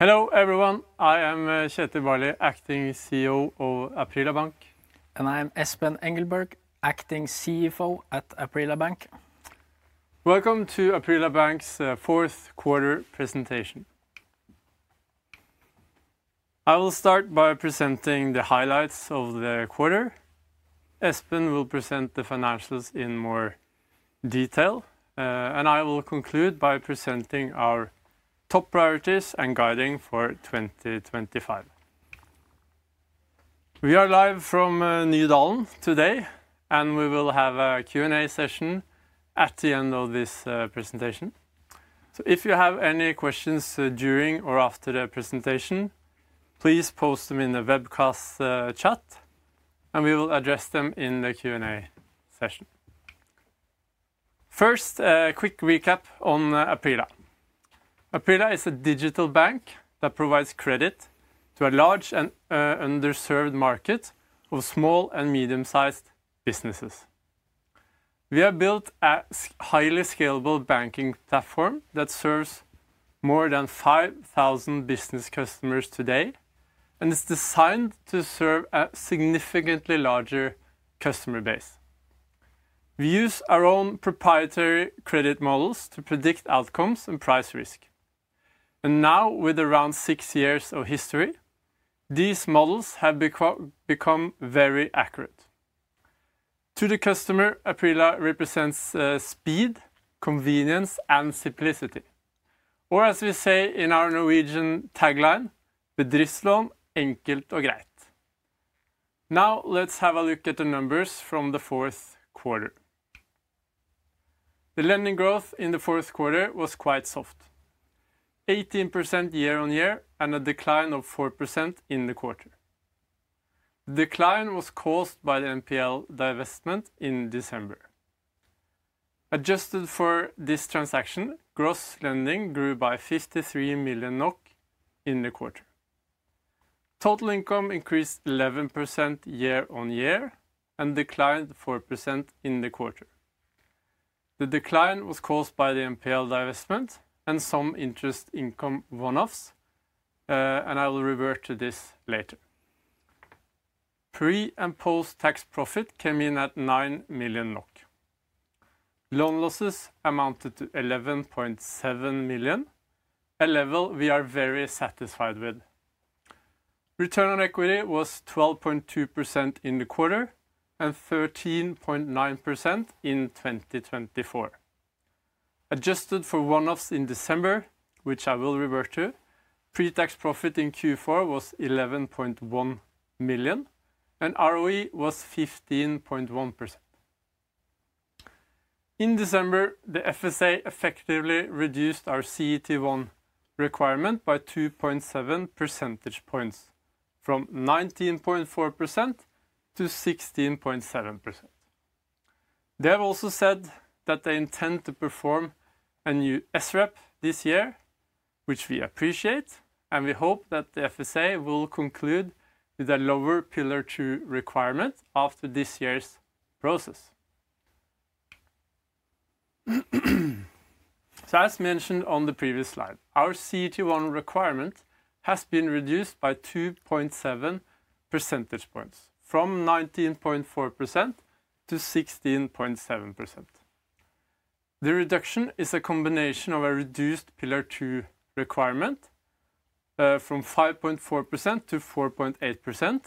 Hello everyone, I am Kjetil Barli, Acting CEO of Aprila Bank. I am Espen Engelberg, Acting CFO at Aprila Bank. Welcome to Aprila Bank's fourth quarter presentation. I will start by presenting the highlights of the quarter. Espen will present the financials in more detail, and I will conclude by presenting our top priorities and guiding for 2025. We are live from Ny Dalen today, and we will have a Q&A session at the end of this presentation. If you have any questions during or after the presentation, please post them in the webcast chat, and we will address them in the Q&A session. First, a quick recap on Aprila. Aprila is a digital bank that provides credit to a large and underserved market of small and medium-sized businesses. We have built a highly scalable banking platform that serves more than 5,000 business customers today, and it's designed to serve a significantly larger customer base. We use our own proprietary credit models to predict outcomes and price risk. Now, with around six years of history, these models have become very accurate. To the customer, Aprila represents speed, convenience, and simplicity. Or as we say in our Norwegian tagline, "Bedriftslån, enkelt og greit." Now let's have a look at the numbers from the fourth quarter. The lending growth in the fourth quarter was quite soft: 18% year-on-year and a decline of 4% in the quarter. The decline was caused by the NPL divestment in December. Adjusted for this transaction, gross lending grew by 53 million NOK in the quarter. Total income increased 11% year-on-year and declined 4% in the quarter. The decline was caused by the NPL divestment and some interest income one-offs, and I will revert to this later. Pre and post tax profit came in at 9 million NOK. Loan losses amounted to 11.7 million, a level we are very satisfied with. Return on equity was 12.2% in the quarter and 13.9% in 2024. Adjusted for one-offs in December, which I will revert to, pre-tax profit in Q4 was 11.1 million and ROE was 15.1%. In December, the FSA effectively reduced our CET1 requirement by 2.7 percentage points, from 19.4% to 16.7%. They have also said that they intend to perform a new SREP this year, which we appreciate, and we hope that the FSA will conclude with a lower Pillar two requirement after this year's process. As mentioned on the previous slide, our CET1 requirement has been reduced by 2.7 percentage points, from 19.4% to 16.7%. The reduction is a combination of a reduced Pillar two requirement from 5.4% to 4.8%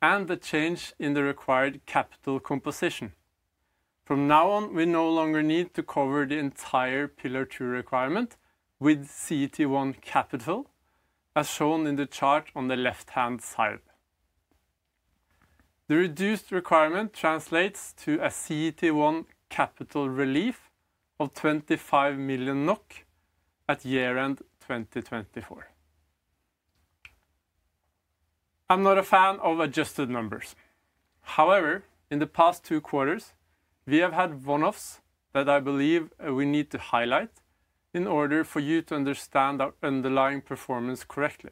and the change in the required capital composition. From now on, we no longer need to cover the entire Pillar two requirement with CET1 capital, as shown in the chart on the left-hand side. The reduced requirement translates to a CET1 capital relief of 25 million NOK at year-end 2024. I'm not a fan of adjusted numbers. However, in the past two quarters, we have had one-offs that I believe we need to highlight in order for you to understand our underlying performance correctly.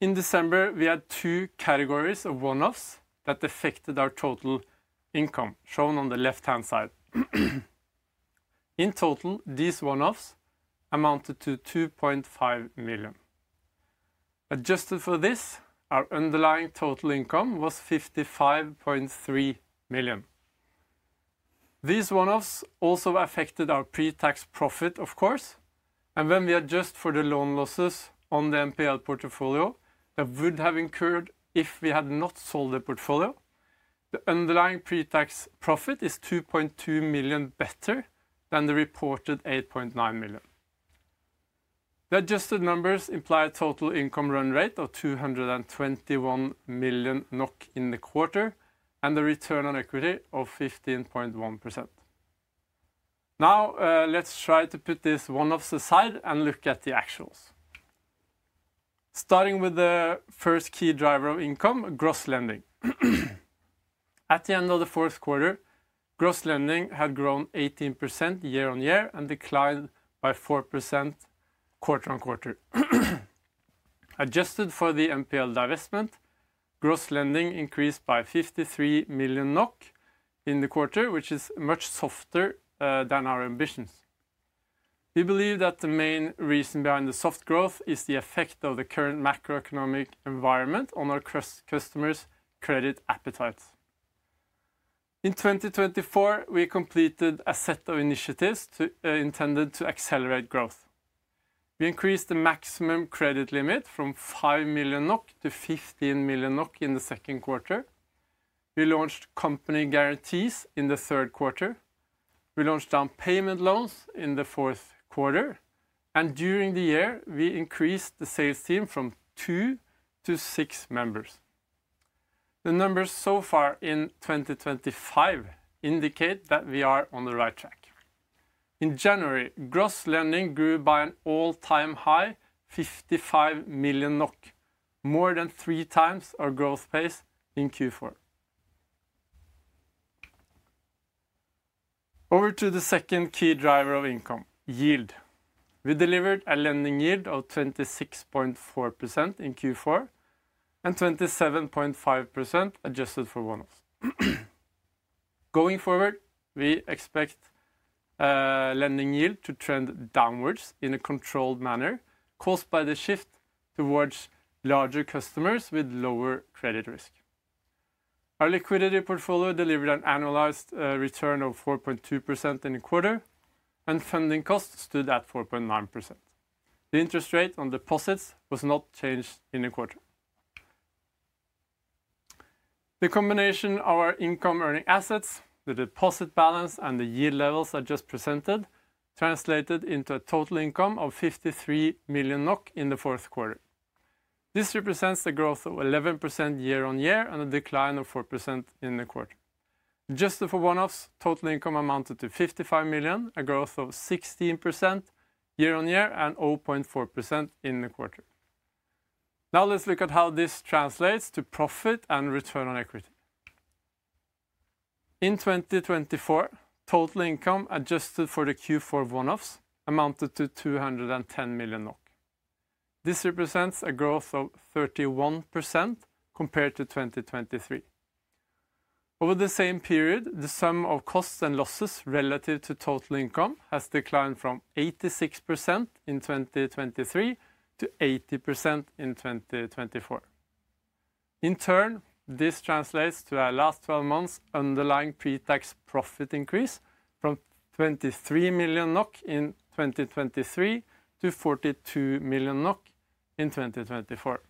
In December, we had two categories of one-offs that affected our total income, shown on the left-hand side. In total, these one-offs amounted to 2.5 million. Adjusted for this, our underlying total income was 55.3 million. These one-offs also affected our pre-tax profit, of course, and when we adjust for the loan losses on the NPL portfolio that would have incurred if we had not sold the portfolio, the underlying pre-tax profit is 2.2 million better than the reported 8.9 million. The adjusted numbers imply a total income run rate of 221 million NOK in the quarter and a return on equity of 15.1%. Now, let's try to put these one-offs aside and look at the actuals. Starting with the first key driver of income, gross lending. At the end of the fourth quarter, gross lending had grown 18% year-on-year and declined by 4% quarter on quarter. Adjusted for the NPL divestment, gross lending increased by 53 million NOK in the quarter, which is much softer than our ambitions. We believe that the main reason behind the soft growth is the effect of the current macroeconomic environment on our customers' credit appetite. In 2024, we completed a set of initiatives intended to accelerate growth. We increased the maximum credit limit from 5 million NOK to 15 million NOK in the second quarter. We launched company guarantees in the third quarter. We launched down payment loans in the fourth quarter, and during the year, we increased the sales team from two to six members. The numbers so far in 2025 indicate that we are on the right track. In January, gross lending grew by an all-time high, 55 million NOK, more than three times our growth pace in Q4. Over to the second key driver of income, yield. We delivered a lending yield of 26.4% in Q4 and 27.5% adjusted for one-offs. Going forward, we expect lending yield to trend downwards in a controlled manner, caused by the shift towards larger customers with lower credit risk. Our liquidity portfolio delivered an annualized return of 4.2% in the quarter, and funding costs stood at 4.9%. The interest rate on deposits was not changed in the quarter. The combination of our income-earning assets, the deposit balance, and the yield levels I just presented translated into a total income of 53 million NOK in the fourth quarter. This represents a growth of 11% year-on-year and a decline of 4% in the quarter. Adjusted for one-offs, total income amounted to 55 million, a growth of 16% year-on-year and 0.4% in the quarter. Now let's look at how this translates to profit and return on equity. In 2024, total income adjusted for the Q4 one-offs amounted to 210 million NOK. This represents a growth of 31% compared to 2023. Over the same period, the sum of costs and losses relative to total income has declined from 86% in 2023 to 80% in 2024. In turn, this translates to our last 12 months' underlying pre-tax profit increase from 23 million NOK in 2023 to 42 million NOK in 2024.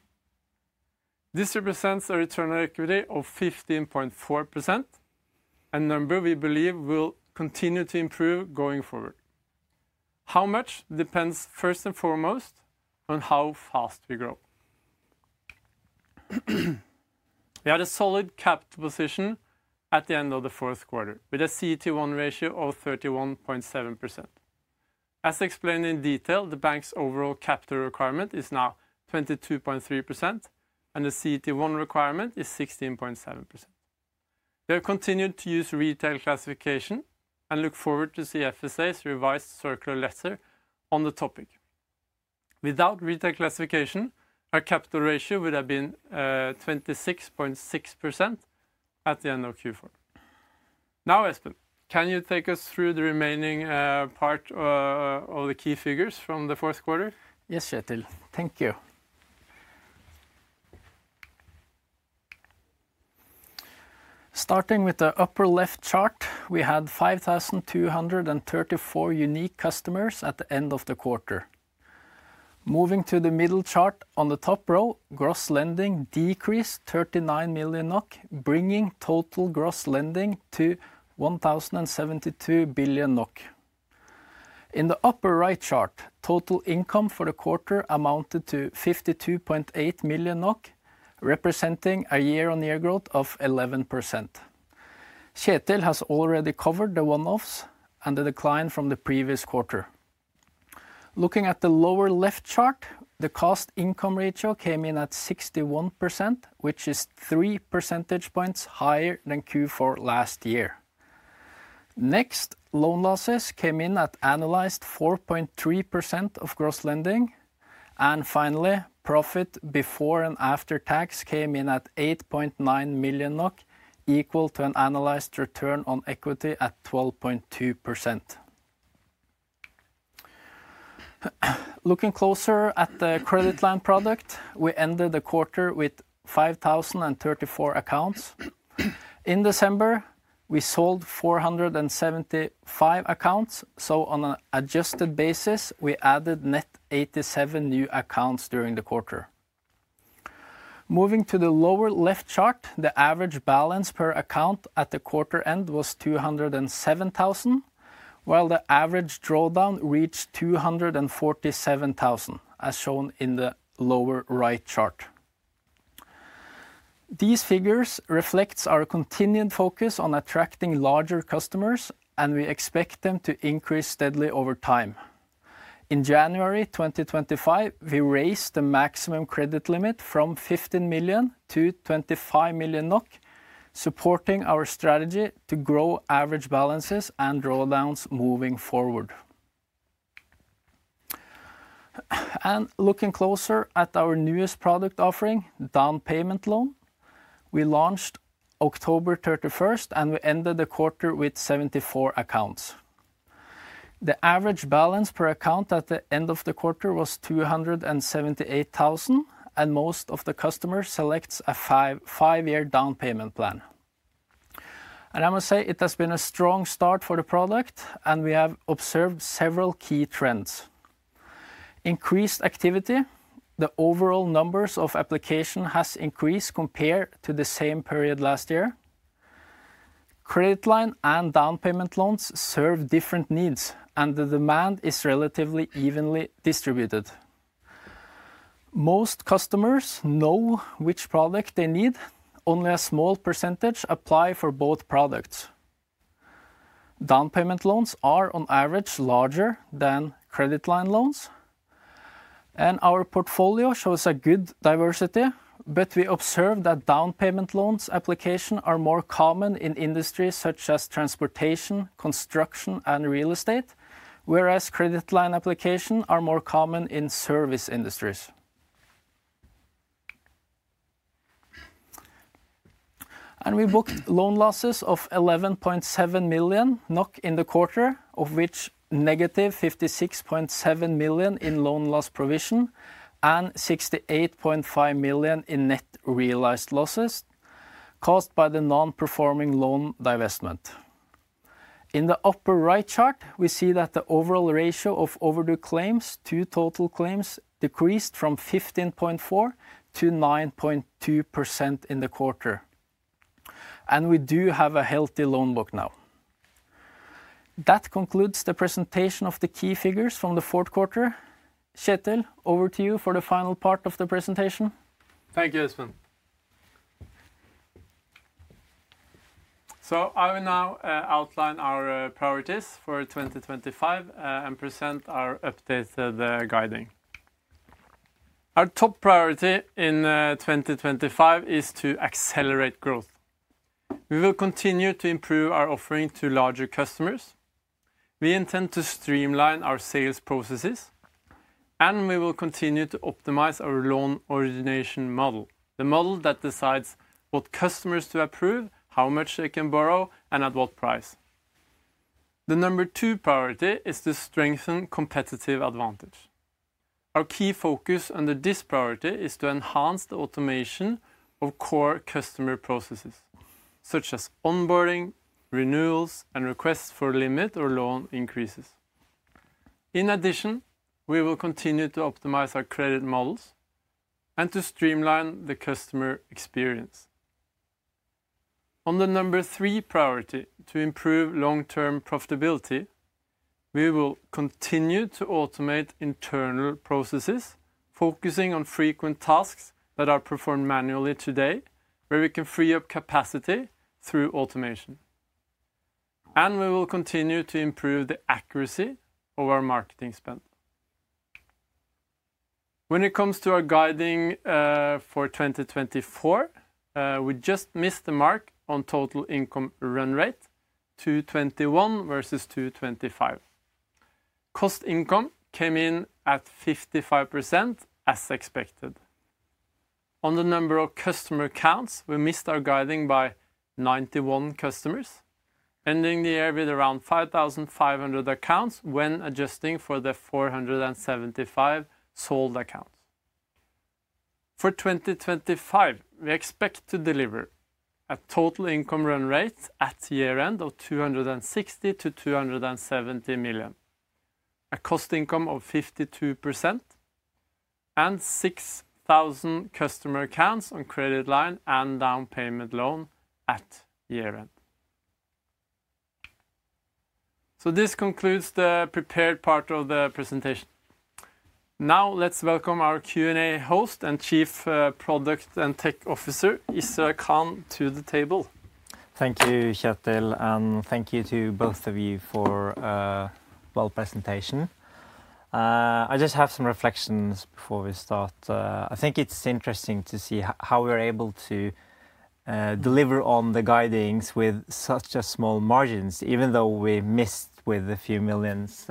This represents a return on equity of 15.4%, a number we believe will continue to improve going forward. How much depends first and foremost on how fast we grow. We had a solid capital position at the end of the fourth quarter with a CET1 ratio of 31.7%. As explained in detail, the bank's overall capital requirement is now 22.3%, and the CET1 requirement is 16.7%. We have continued to use retail classification and look forward to seeing FSA's revised circular letter on the topic. Without retail classification, our capital ratio would have been 26.6% at the end of Q4. Now, Espen, can you take us through the remaining part of the key figures from the fourth quarter? Yes, Kjetil. Thank you. Starting with the upper left chart, we had 5,234 unique customers at the end of the quarter. Moving to the middle chart on the top row, gross lending decreased 39 million NOK, bringing total gross lending to 1.072 billion NOK. In the upper right chart, total income for the quarter amounted to 52.8 million NOK, representing a year-on-year growth of 11%. Kjetil has already covered the one-offs and the decline from the previous quarter. Looking at the lower left chart, the cost-income ratio came in at 61%, which is 3 percentage points higher than Q4 last year. Next, loan losses came in at annualized 4.3% of gross lending, and finally, profit before and after tax came in at 8.9 million NOK, equal to an annualized return on equity at 12.2%. Looking closer at the credit line product, we ended the quarter with 5,034 accounts. In December, we sold 475 accounts, so on an adjusted basis, we added net 87 new accounts during the quarter. Moving to the lower left chart, the average balance per account at the quarter end was 207,000, while the average drawdown reached 247,000, as shown in the lower right chart. These figures reflect our continued focus on attracting larger customers, and we expect them to increase steadily over time. In January 2025, we raised the maximum credit limit from 15 million to 25 million NOK, supporting our strategy to grow average balances and drawdowns moving forward. Looking closer at our newest product offering, down payment loan, we launched October 31, and we ended the quarter with 74 accounts. The average balance per account at the end of the quarter was 278,000, and most of the customers select a five-year down payment plan. I must say it has been a strong start for the product, and we have observed several key trends. Increased activity, the overall numbers of applications have increased compared to the same period last year. Credit line and down payment loans serve different needs, and the demand is relatively evenly distributed. Most customers know which product they need; only a small percentage apply for both products. Down payment loans are, on average, larger than credit line loans, and our portfolio shows a good diversity, but we observe that down payment loan applications are more common in industries such as transportation, construction, and real estate, whereas credit line applications are more common in service industries. We booked loan losses of 11.7 million NOK in the quarter, of which negative 56.7 million in loan loss provision and 68.5 million in net realized losses caused by the non-performing loan divestment. In the upper right chart, we see that the overall ratio of overdue claims to total claims decreased from 15.4% to 9.2% in the quarter, and we do have a healthy loan book now. That concludes the presentation of the key figures from the fourth quarter. Kjetil, over to you for the final part of the presentation. Thank you, Espen. I will now outline our priorities for 2025 and present our updated guiding. Our top priority in 2025 is to accelerate growth. We will continue to improve our offering to larger customers. We intend to streamline our sales processes, and we will continue to optimize our loan origination model, the model that decides what customers to approve, how much they can borrow, and at what price. The number two priority is to strengthen competitive advantage. Our key focus under this priority is to enhance the automation of core customer processes, such as onboarding, renewals, and requests for limit or loan increases. In addition, we will continue to optimize our credit models and to streamline the customer experience. On the number three priority to improve long-term profitability, we will continue to automate internal processes, focusing on frequent tasks that are performed manually today, where we can free up capacity through automation. We will continue to improve the accuracy of our marketing spend. When it comes to our guiding for 2024, we just missed the mark on total income run rate to 221 million versus 225 million. Cost income came in at 55%, as expected. On the number of customer counts, we missed our guiding by 91 customers, ending the year with around 5,500 accounts when adjusting for the 475 sold accounts. For 2025, we expect to deliver a total income run rate at year-end of 260-270 million, a cost income of 52%, and 6,000 customer counts on credit line and down payment loan at year-end. This concludes the prepared part of the presentation. Now let's welcome our Q&A host and Chief Product and Tech Officer, Israr Khan, to the table. Thank you, Kjetil, and thank you to both of you for a well-presentation. I just have some reflections before we start. I think it's interesting to see how we're able to deliver on the guidings with such small margins, even though we missed with a few millions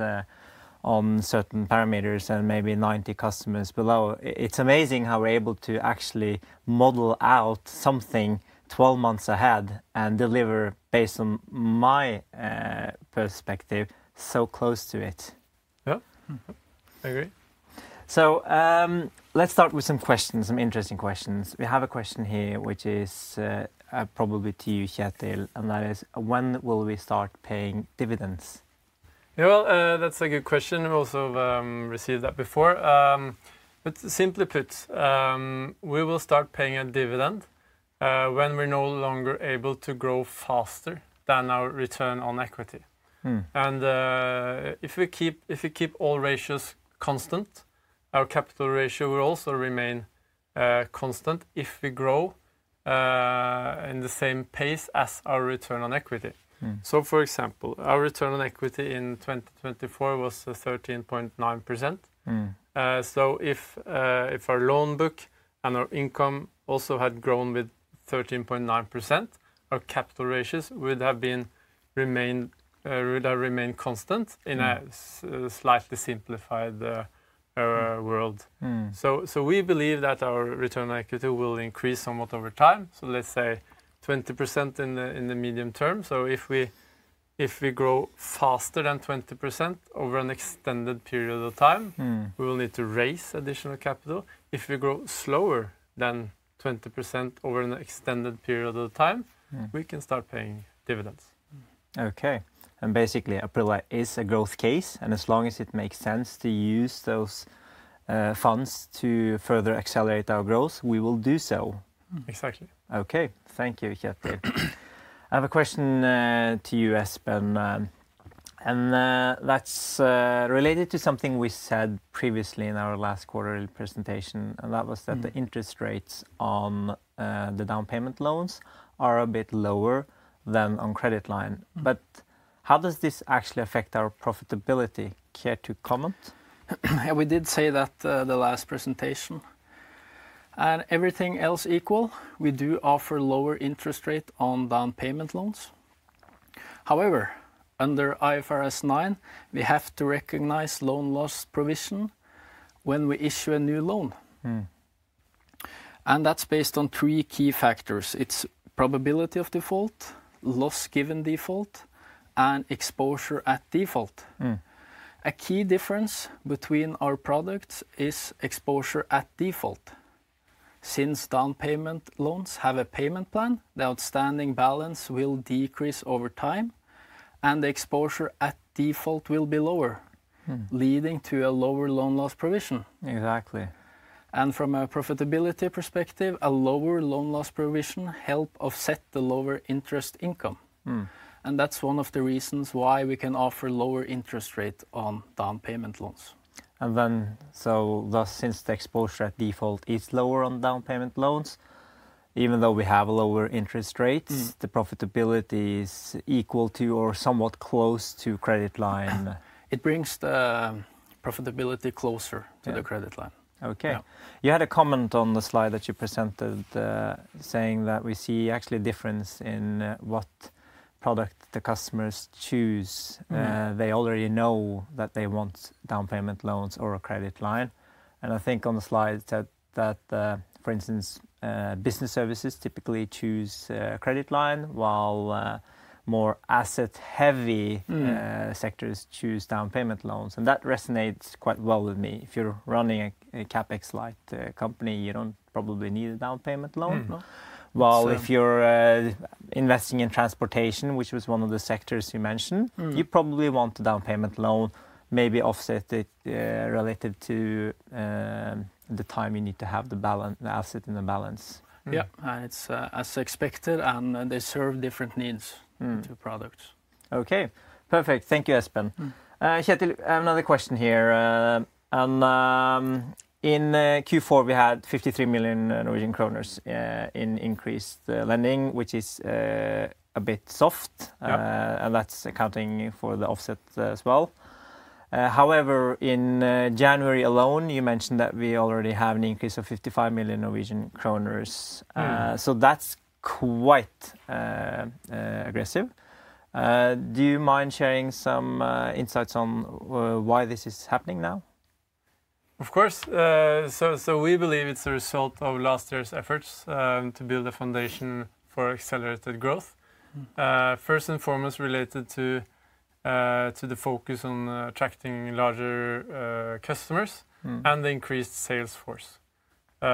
on certain parameters and maybe 90 customers below. It's amazing how we're able to actually model out something 12 months ahead and deliver, based on my perspective, so close to it. Yeah, I agree. Let's start with some questions, some interesting questions. We have a question here, which is probably to you, Kjetil, and that is, when will we start paying dividends? Yeah, that's a good question. We also received that before. Simply put, we will start paying a dividend when we're no longer able to grow faster than our return on equity. If we keep all ratios constant, our capital ratio will also remain constant if we grow at the same pace as our return on equity. For example, our return on equity in 2024 was 13.9%. If our loan book and our income also had grown with 13.9%, our capital ratios would have remained constant in a slightly simplified world. We believe that our return on equity will increase somewhat over time. Let's say 20% in the medium term. If we grow faster than 20% over an extended period of time, we will need to raise additional capital. If we grow slower than 20% over an extended period of time, we can start paying dividends. Okay. Basically, Aprila, it's a growth case, and as long as it makes sense to use those funds to further accelerate our growth, we will do so. Exactly. Okay. Thank you, Kjetil. I have a question to you, Espen. And that's related to something we said previously in our last quarterly presentation, and that was that the interest rates on the down payment loans are a bit lower than on credit line. But how does this actually affect our profitability? Kjetil, comment? Yeah, we did say that the last presentation. Everything else equal, we do offer lower interest rates on down payment loans. However, under IFRS 9, we have to recognize loan loss provision when we issue a new loan. That is based on three key factors. It is probability of default, loss given default, and exposure at default. A key difference between our products is exposure at default. Since down payment loans have a payment plan, the outstanding balance will decrease over time, and the exposure at default will be lower, leading to a lower loan loss provision. Exactly. From a profitability perspective, a lower loan loss provision helps offset the lower interest income. That is one of the reasons why we can offer lower interest rates on down payment loans. Thus, since the exposure at default is lower on down payment loans, even though we have lower interest rates, the profitability is equal to or somewhat close to credit line. It brings the profitability closer to the credit line. Okay. You had a comment on the slide that you presented saying that we see actually a difference in what product the customers choose. They already know that they want down payment loans or a credit line. I think on the slide that, for instance, business services typically choose a credit line, while more asset-heavy sectors choose down payment loans. That resonates quite well with me. If you're running a CapEx-like company, you don't probably need a down payment loan. While if you're investing in transportation, which was one of the sectors you mentioned, you probably want a down payment loan, maybe offset it relative to the time you need to have the asset in the balance. Yeah, and it's as expected, and they serve different needs to products. Okay. Perfect. Thank you, Espen. Kjetil, I have another question here. In Q4, we had 53 million Norwegian kroner in increased lending, which is a bit soft, and that's accounting for the offset as well. However, in January alone, you mentioned that we already have an increase of 55 million Norwegian kroner. That is quite aggressive. Do you mind sharing some insights on why this is happening now? Of course. We believe it's a result of last year's efforts to build a foundation for accelerated growth. First and foremost, related to the focus on attracting larger customers and the increased sales force. We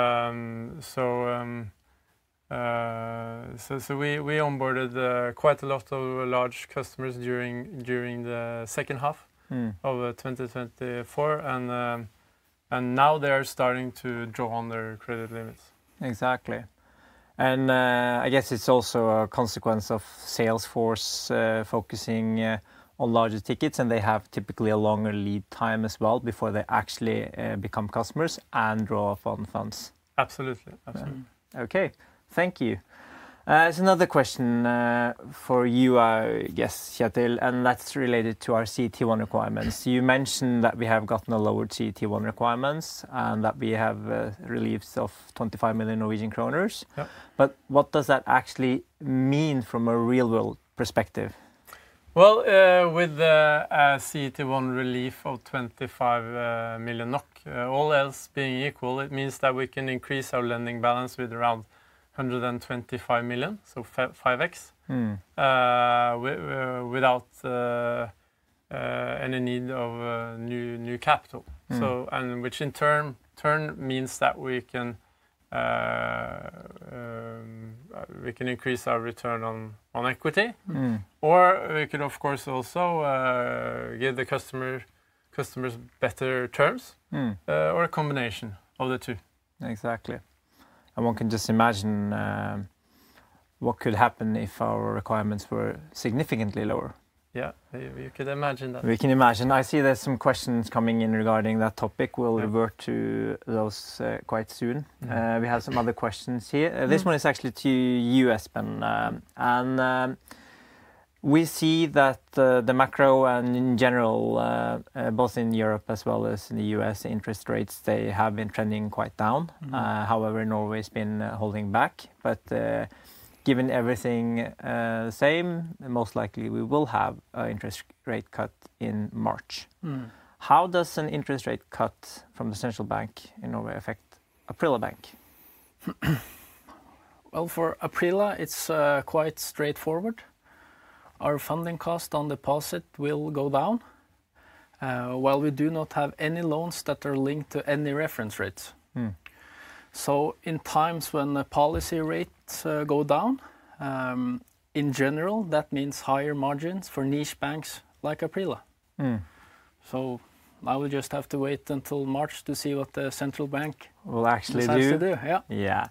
onboarded quite a lot of large customers during the second half of 2024, and now they are starting to draw on their credit limits. Exactly. I guess it's also a consequence of sales force focusing on larger tickets, and they have typically a longer lead time as well before they actually become customers and draw upon funds. Absolutely. Absolutely. Okay. Thank you. There's another question for you, I guess, Kjetil, and that's related to our CET1 requirements. You mentioned that we have gotten a lowered CET1 requirements and that we have reliefs of 25 million Norwegian kroner. What does that actually mean from a real-world perspective? With a CET1 relief of 25 million NOK, all else being equal, it means that we can increase our lending balance with around 125 million, so 5x, without any need of new capital. Which in turn means that we can increase our return on equity, or we can, of course, also give the customers better terms or a combination of the two. Exactly. One can just imagine what could happen if our requirements were significantly lower. Yeah, you could imagine that. We can imagine. I see there's some questions coming in regarding that topic. We'll revert to those quite soon. We have some other questions here. This one is actually to you, Espen. And we see that the macro and in general, both in Europe as well as in the U.S., interest rates, they have been trending quite down. However, in Norway, it's been holding back. But given everything the same, most likely we will have an interest rate cut in March. How does an interest rate cut from the central bank in Norway affect Aprila Bank? For Aprila, it's quite straightforward. Our funding cost on deposit will go down while we do not have any loans that are linked to any reference rates. In times when the policy rates go down, in general, that means higher margins for niche banks like Aprila. I will just have to wait until March to see what the central bank decides to do. Yeah.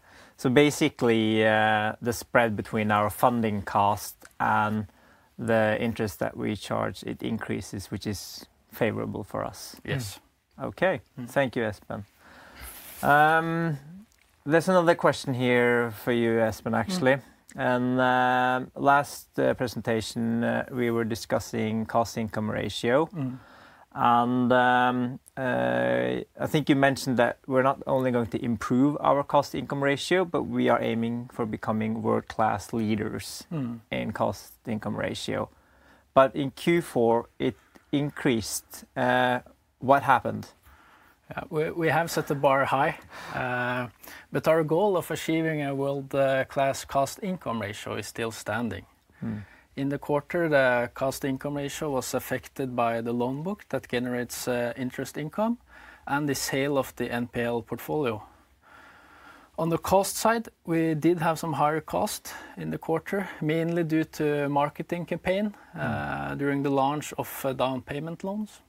Basically, the spread between our funding cost and the interest that we charge, it increases, which is favorable for us. Yes. Okay. Thank you, Espen. There is another question here for you, Espen, actually. Last presentation, we were discussing cost-income ratio. I think you mentioned that we are not only going to improve our cost-income ratio, but we are aiming for becoming world-class leaders in cost-income ratio. In Q4, it increased. What happened? We have set a bar high, but our goal of achieving a world-class cost-income ratio is still standing. In the quarter, the cost-income ratio was affected by the loan book that generates interest income and the sale of the NPL portfolio. On the cost side, we did have some higher costs in the quarter, mainly due to marketing campaign during the launch of down payment loans.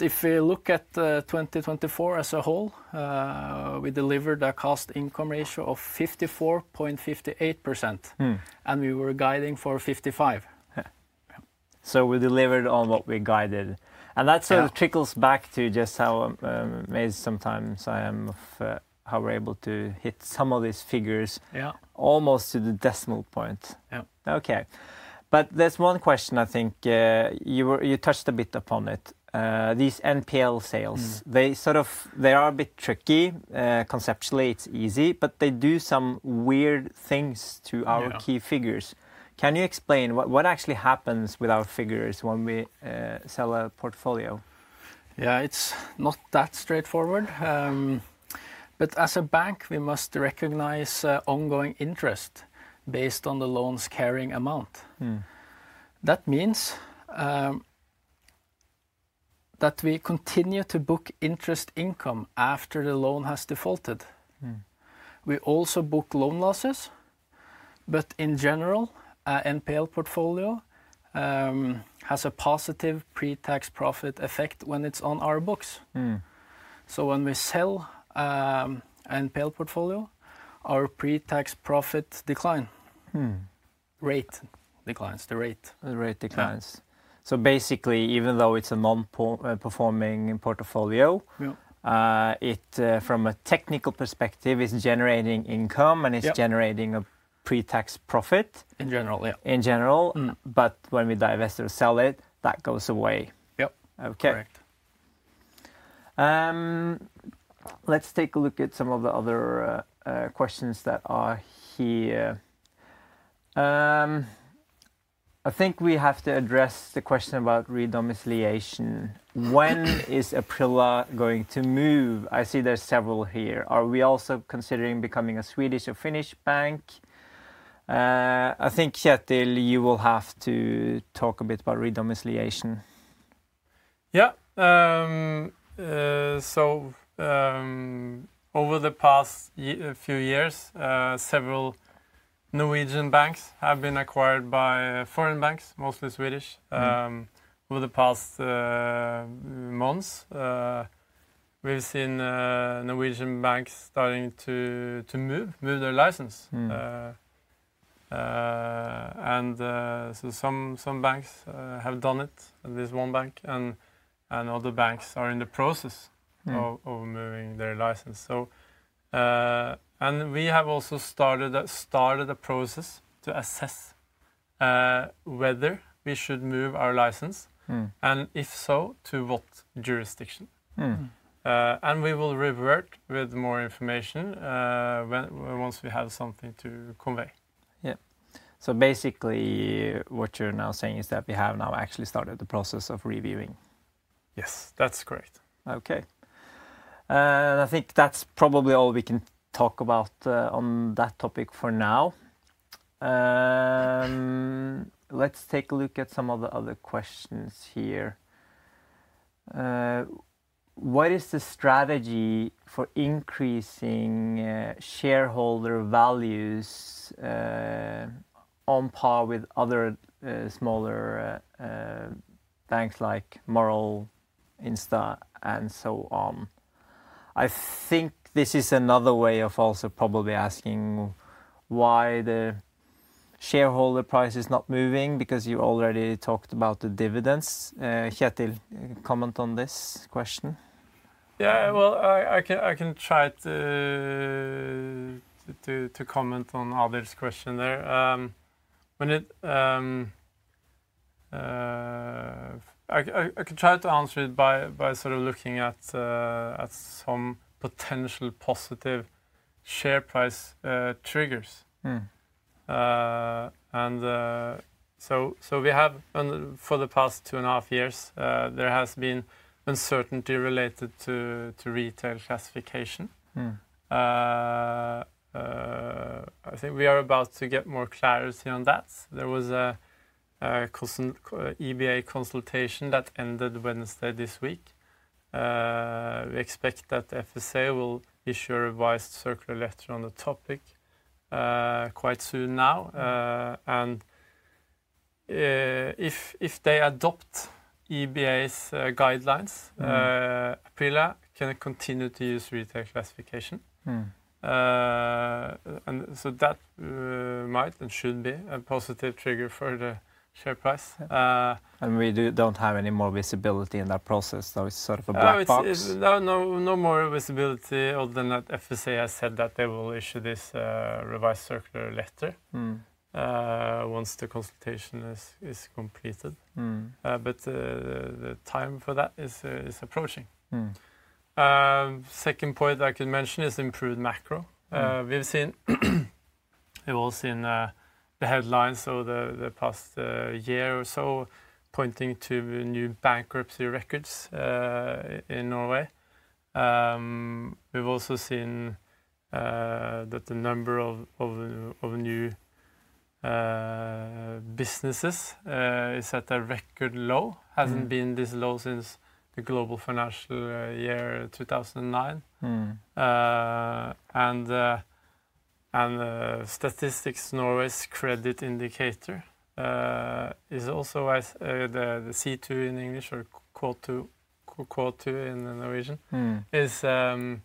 If we look at 2024 as a whole, we delivered a cost-income ratio of 54.58%, and we were guiding for 55%. We delivered on what we guided. That sort of trickles back to just how amazed sometimes I am of how we're able to hit some of these figures almost to the decimal point. Yeah. Okay. There is one question, I think. You touched a bit upon it. These NPL sales, they sort of are a bit tricky. Conceptually, it is easy, but they do some weird things to our key figures. Can you explain what actually happens with our figures when we sell a portfolio? Yeah, it's not that straightforward. As a bank, we must recognize ongoing interest based on the loan's carrying amount. That means that we continue to book interest income after the loan has defaulted. We also book loan losses, but in general, an NPL portfolio has a positive pre-tax profit effect when it's on our books. When we sell an NPL portfolio, our pre-tax profit declines. Rate declines. The rate. The rate declines. Basically, even though it's a non-performing portfolio, from a technical perspective, it's generating income and it's generating a pre-tax profit. In general, yeah. In general. When we divest or sell it, that goes away. Yeah. Okay. Correct. Let's take a look at some of the other questions that are here. I think we have to address the question about re-domiciliation. When is Aprila going to move? I see there's several here. Are we also considering becoming a Swedish or Finnish bank? I think, Kjetil, you will have to talk a bit about re-domiciliation. Yeah. Over the past few years, several Norwegian banks have been acquired by foreign banks, mostly Swedish. Over the past months, we've seen Norwegian banks starting to move their license. Some banks have done it, this one bank, and other banks are in the process of moving their license. We have also started a process to assess whether we should move our license and if so, to what jurisdiction. We will revert with more information once we have something to convey. Yeah. So basically, what you're now saying is that we have now actually started the process of reviewing. Yes, that's correct. Okay. I think that's probably all we can talk about on that topic for now. Let's take a look at some of the other questions here. What is the strategy for increasing shareholder values on par with other smaller banks like Morell, Instabank, and so on? I think this is another way of also probably asking why the shareholder price is not moving, because you already talked about the dividends. Kjetil, comment on this question? Yeah, I can try to comment on others' question there. I can try to answer it by sort of looking at some potential positive share price triggers. For the past two and a half years, there has been uncertainty related to retail classification. I think we are about to get more clarity on that. There was an EBA consultation that ended Wednesday this week. We expect that FSA will issue a revised circular letter on the topic quite soon now. If they adopt EBA's guidelines, Aprila can continue to use retail classification. That might and should be a positive trigger for the share price. We don't have any more visibility in that process, though it's sort of a black box. No more visibility other than that FSA has said that they will issue this revised circular letter once the consultation is completed. The time for that is approaching. Second point I can mention is improved macro. We've seen, we've all seen the headlines over the past year or so pointing to new bankruptcy records in Norway. We've also seen that the number of new businesses is at a record low, hasn't been this low since the global financial year 2009. Statistics Norway's credit indicator is also the C2 in English or quote two in Norwegian, is at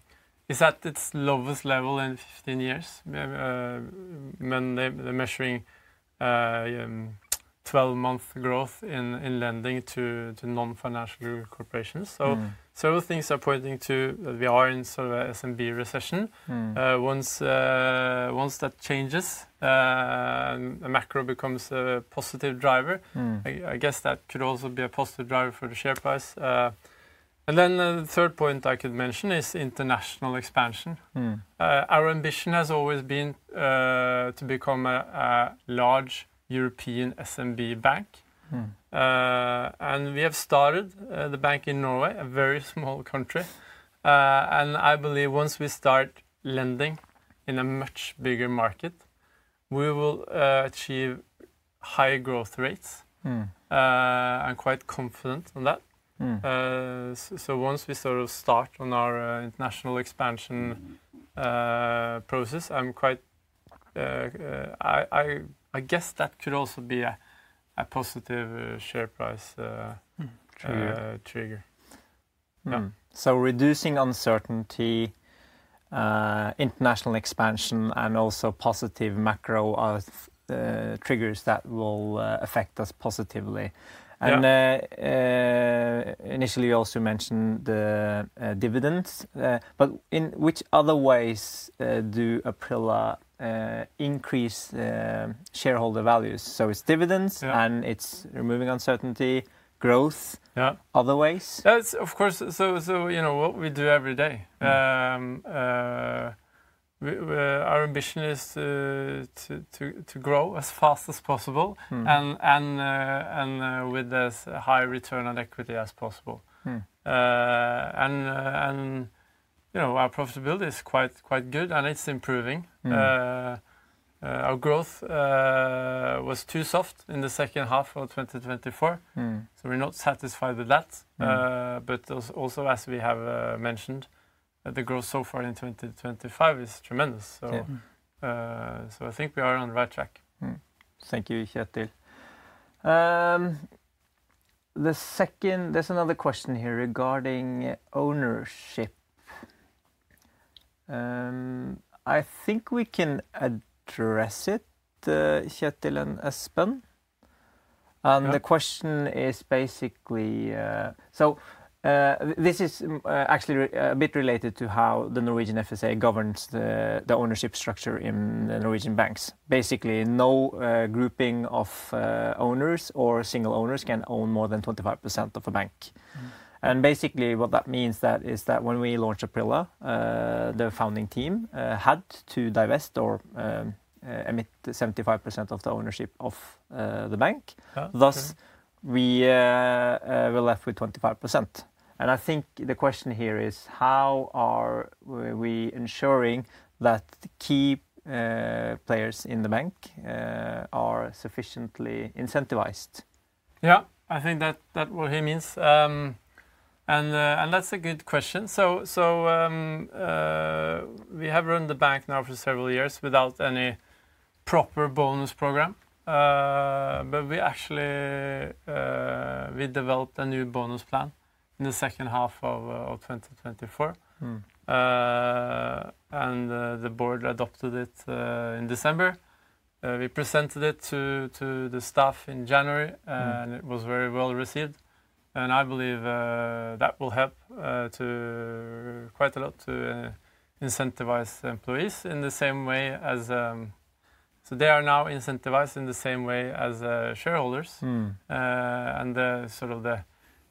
its lowest level in 15 years, measuring 12-month growth in lending to non-financial group corporations. Several things are pointing to that we are in sort of an S&B recession. Once that changes, the macro becomes a positive driver. I guess that could also be a positive driver for the share price. The third point I could mention is international expansion. Our ambition has always been to become a large European S&B bank. We have started the bank in Norway, a very small country. I believe once we start lending in a much bigger market, we will achieve high growth rates. I'm quite confident on that. Once we sort of start on our international expansion process, I'm quite, I guess that could also be a positive share price trigger. Reducing uncertainty, international expansion, and also positive macro triggers that will affect us positively. Initially, you also mentioned the dividends. In which other ways do Aprila increase shareholder values? It's dividends and it's removing uncertainty, growth, other ways? Of course. What we do every day. Our ambition is to grow as fast as possible and with as high return on equity as possible. Our profitability is quite good and it is improving. Our growth was too soft in the second half of 2024. We are not satisfied with that. Also, as we have mentioned, the growth so far in 2025 is tremendous. I think we are on the right track. Thank you, Kjetil. There's another question here regarding ownership. I think we can address it, Kjetil and Espen. The question is basically, this is actually a bit related to how the Norwegian FSA governs the ownership structure in the Norwegian banks. Basically, no grouping of owners or single owners can own more than 25% of a bank. What that means is that when we launched Aprila, the founding team had to divest or emit 75% of the ownership of the bank. Thus, we were left with 25%. I think the question here is, how are we ensuring that key players in the bank are sufficiently incentivized? Yeah, I think that's what he means. That's a good question. We have run the bank now for several years without any proper bonus program. We actually developed a new bonus plan in the second half of 2024. The board adopted it in December. We presented it to the staff in January, and it was very well received. I believe that will help quite a lot to incentivize employees in the same way as shareholders.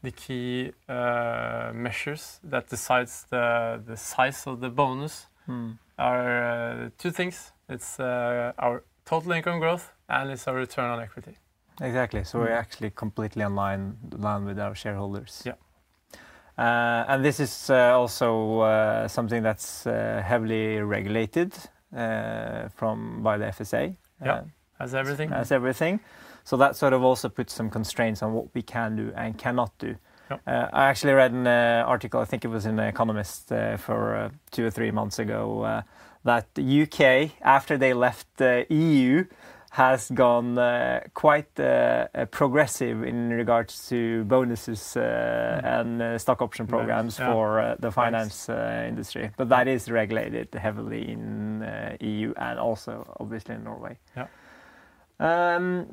The key measures that decide the size of the bonus are two things. It's our total income growth, and it's our return on equity. Exactly. We are actually completely in line with our shareholders. Yeah. This is also something that's heavily regulated by the FSA. Yeah, as everything. As everything. That sort of also puts some constraints on what we can do and cannot do. I actually read an article, I think it was in The Economist two or three months ago, that the U.K., after they left the EU, has gone quite progressive in regards to bonuses and stock option programs for the finance industry. That is regulated heavily in the EU and also, obviously, in Norway. Yeah. There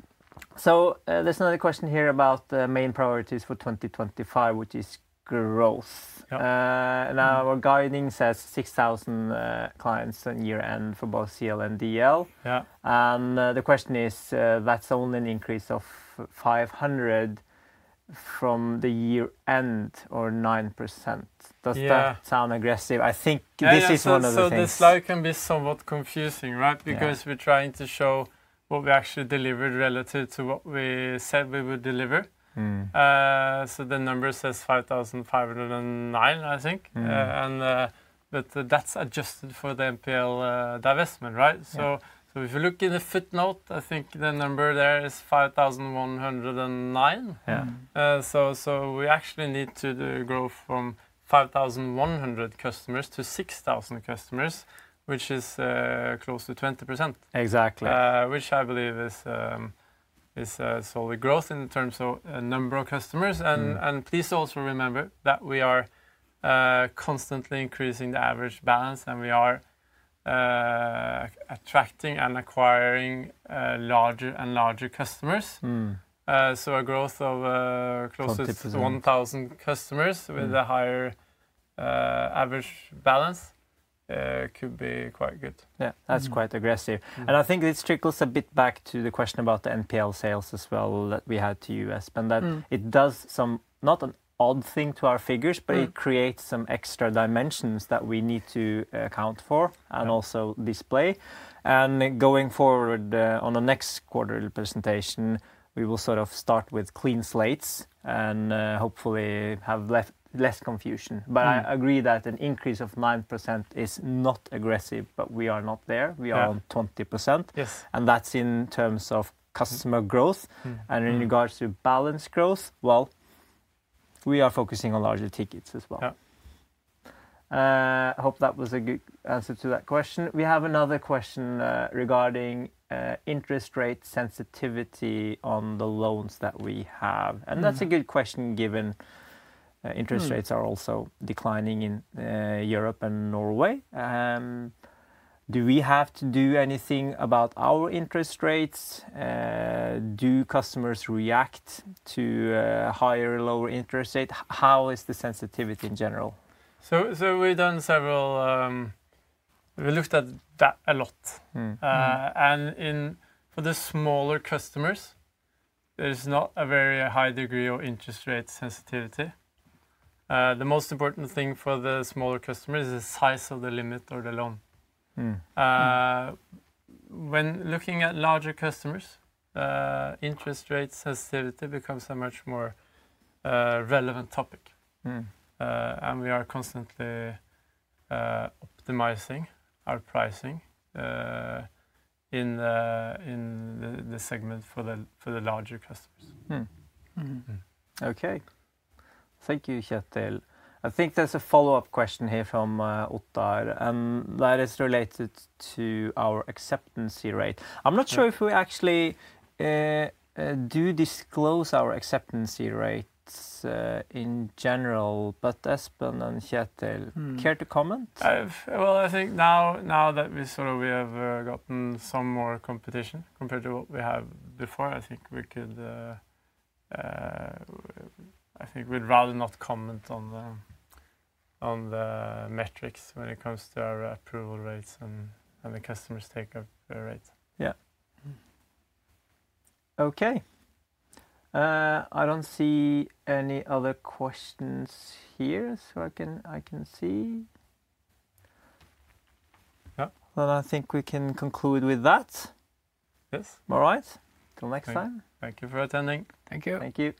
is another question here about the main priorities for 2025, which is growth. Our guiding says 6,000 clients on year-end for both CL and DL. The question is, that's only an increase of 500 from the year-end or 9%. Does that sound aggressive? I think this is one of the things. This slide can be somewhat confusing, right? Because we're trying to show what we actually delivered relative to what we said we would deliver. The number says 5,509, I think. That is adjusted for the NPL divestment, right? If you look in the footnote, I think the number there is 5,109. We actually need to grow from 5,100 customers to 6,000 customers, which is close to 20%. Exactly. Which I believe is solid growth in terms of number of customers. Please also remember that we are constantly increasing the average balance, and we are attracting and acquiring larger and larger customers. A growth of close to 1,000 customers with a higher average balance could be quite good. Yeah, that's quite aggressive. I think this trickles a bit back to the question about the NPL sales as well that we had to you, Espen, that it does some not an odd thing to our figures, but it creates some extra dimensions that we need to account for and also display. Going forward on the next quarterly presentation, we will sort of start with clean slates and hopefully have less confusion. I agree that an increase of 9% is not aggressive, but we are not there. We are on 20%. That's in terms of customer growth. In regards to balance growth, we are focusing on larger tickets as well. I hope that was a good answer to that question. We have another question regarding interest rate sensitivity on the loans that we have. That is a good question given interest rates are also declining in Europe and Norway. Do we have to do anything about our interest rates? Do customers react to higher or lower interest rates? How is the sensitivity in general? We have done several, we looked at that a lot. For the smaller customers, there is not a very high degree of interest rate sensitivity. The most important thing for the smaller customers is the size of the limit or the loan. When looking at larger customers, interest rate sensitivity becomes a much more relevant topic. We are constantly optimizing our pricing in the segment for the larger customers. Okay. Thank you, Kjetil. I think there's a follow-up question here from Ottar. That is related to our acceptancy rate. I'm not sure if we actually do disclose our acceptancy rates in general, but Espen and Kjetil, care to comment? I think now that we sort of have gotten some more competition compared to what we have before, I think we could, I think we'd rather not comment on the metrics when it comes to our approval rates and the customer's take-up rate. Yeah. Okay. I don't see any other questions here, so I can see. Yeah. I think we can conclude with that. Yes. All right. Until next time. Thank you for attending. Thank you. Thank you.